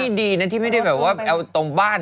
นี่ดีนะที่ไม่ได้แบบว่าเอาตรงบ้าน